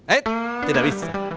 eh tidak bisa